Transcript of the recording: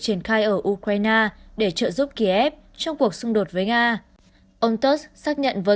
triển khai ở ukraine để trợ giúp kiev trong cuộc xung đột với nga ông turt xác nhận với